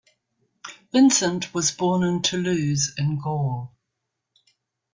Vincent was born in Toulouse in Gaul.